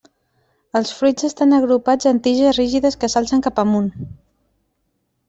Els fruits estan agrupats en tiges rígides que s'alcen cap amunt.